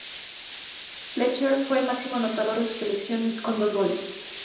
Fletcher fue el máximo anotador de su selección, con dos goles.